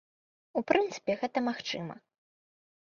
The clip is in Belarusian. У прынцыпе, гэта магчыма.